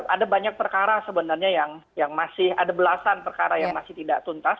ada banyak perkara sebenarnya yang masih ada belasan perkara yang masih tidak tuntas